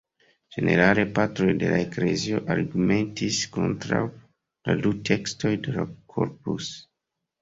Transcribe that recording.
Ĝenerale Patroj de la Eklezio argumentis kontraŭ la du tekstoj de la Corpus.